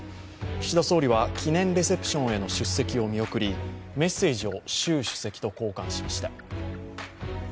岸田総理は記念レセプションへの出席を見送りメッセージを習主席と交換しました。